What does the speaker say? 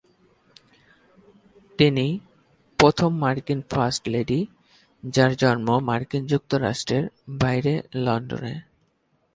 তিনি প্রথম মার্কিন ফার্স্ট লেডি যার জন্ম মার্কিন যুক্তরাষ্ট্রের বাইরে লন্ডনে।